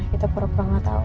kita perut banget tau